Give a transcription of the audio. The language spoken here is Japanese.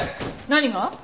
何が？